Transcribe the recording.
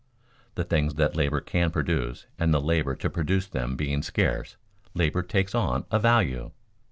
The things that labor can produce and the labor to produce them being scarce, labor takes on a value.